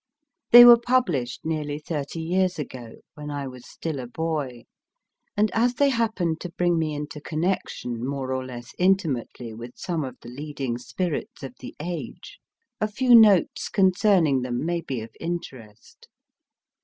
They were published nearly thirty years ago, when I was still a boy, and as they happened to bring me into connection, more or less intimately, with some of the leading spirits of the age, a few notes concerning them may be of interest.